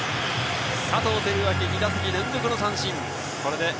佐藤輝明、２打席連続三振。